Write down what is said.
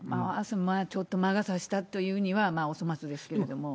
ちょっと魔が差したっていうにはお粗末ですけれども。